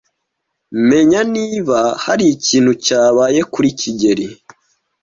Menya niba hari ikintu cyabaye kuri kigeli.